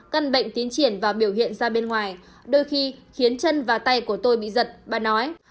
bà không thể biểu hiện ra bên ngoài đôi khi khiến chân và tay của tôi bị giật bà nói